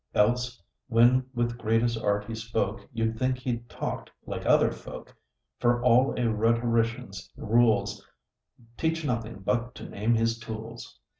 Else, when with greatest art he spoke, You'd think he talk'd like other folk. For all a Rhetorician's rules Teach nothing but to name his tools.